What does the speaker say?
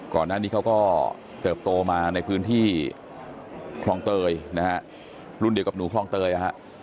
ก่อนหน้านี้เขาก็เติบโตมาในพื้นที่คลองเตยนะฮะรุ่นเดียวกับหนูคลองเตยนะฮะ